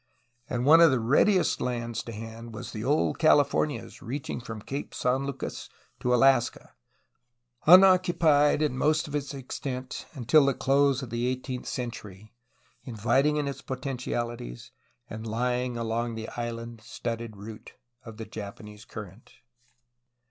And one of the readiest lands to hand was the old Califor nias, reaching from Cape San Lucas to Alaska, unoccupied in most of its extent until the close of the eighteenth cen tury, inviting in its potentialities, and lying along the island studded route of the Japan Current.